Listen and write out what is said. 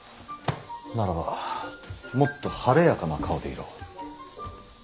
ならばもっと晴れやかな顔でいろ。